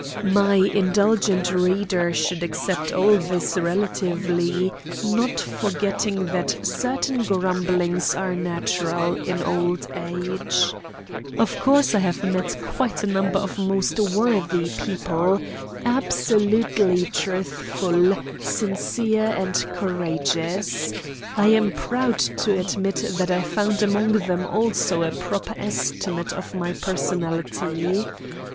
My indulgent reader should accept all this relatively, not forgetting that certain grumblings are natural in old age. Of course, I have met quite a number of most worthy people, absolutely truthful, sincere, and courageous; I am proud to admit that I found among them also a proper estimate of my personality.